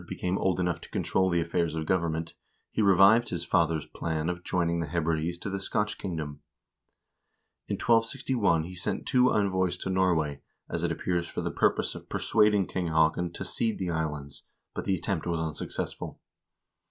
be came old enough to control the affairs of government, he revived his father's plan of joining the Hebrides to the Scotch kingdom. In 1261 he sent two envoys to Norway, as it appears, for the purpose of persuading King Haakon to cede the islands, but the attempt was unsuccessful.